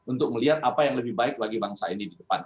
untuk melihat apa yang lebih baik bagi bangsa ini di depan